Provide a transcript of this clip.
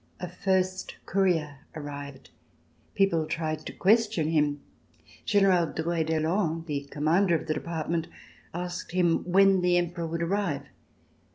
A first courier arrived. People tried to question him. General Drouet d'Erlon, the Commander of the Department, asked him when the Emperor would arrive.